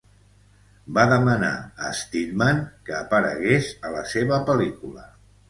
Va demanar a Steadman que aparegués a la seva pel·lícula.